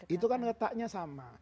itu kan letaknya sama